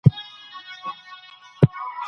هغې زياتې اوبه څښې.